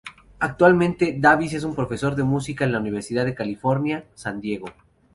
Actualmente, Davis es un profesor de música en la Universidad de California, San Diego.